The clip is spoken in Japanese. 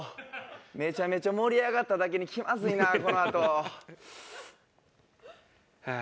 めちゃめちゃ盛り上がっただけに気まずいなこのあと。はあ。